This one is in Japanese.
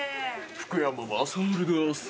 「福山雅治です」